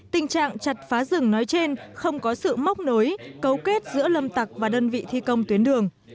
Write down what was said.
tình trạng chặt phá rừng nói trên không có sự móc nối cấu kết giữa lâm tặc và đơn vị thi công tuyến đường